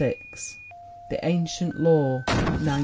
The Ancient Law, 1908.